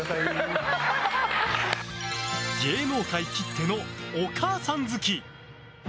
芸能界きってのお母さん好き！